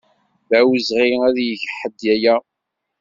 D awezɣi ad yeg ḥedd aya.